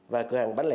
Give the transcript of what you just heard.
và cửa hàng bán lẻ